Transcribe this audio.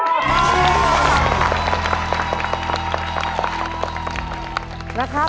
มาเลยค่ะ